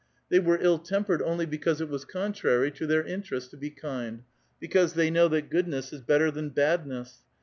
They were ill tempered only because it was contrary to their interests to be kind ; because they know that goodness is better than badness.